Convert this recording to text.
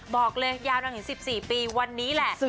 บอกเลยยาวนานถึง๑๔ปีวันนี้แหละ